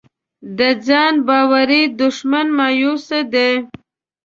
د ځان باورۍ دښمن مایوسي ده.